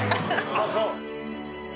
ああそう！